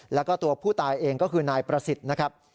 แล้วก็ตัวผู้ตายเองก็คือนายประสิทธิ์นะครับ